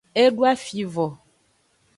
E doa fi vo.